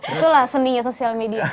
itulah seninya sosial media